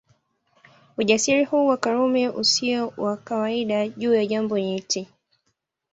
Ujasiri huu wa Karume usio wa kawaida juu ya jambo nyeti